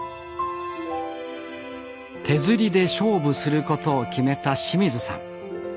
手ずりで勝負することを決めた清水さん。